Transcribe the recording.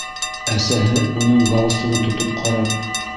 Әсәһе, уның галстугын тотоп ҡарап: